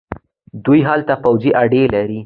دوی هلته پوځي اډې لري.